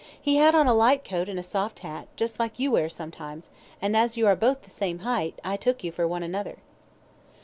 "He had on a light coat and a soft hat, just like you wear sometimes, and as you are both the same height, I took you for one another."